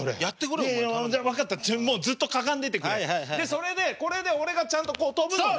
それでこれで俺がちゃんと跳ぶのね。